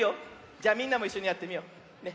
じゃみんなもいっしょにやってみよう。ね。